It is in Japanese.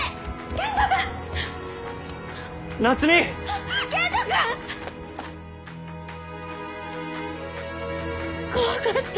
健人君！怖かった！